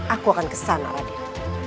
aku akan kesana raden